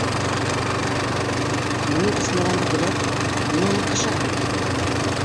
Минең эсмәгәнде белә тороп, ниңә ныҡышаһың?